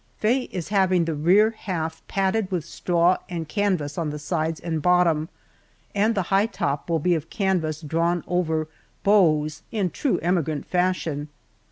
Faye is having the rear half padded with straw and canvas on the sides and bottom, and the high top will be of canvas drawn over "bows," in true emigrant fashion.